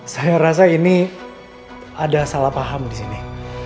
saya rasa ini ada salah paham di sini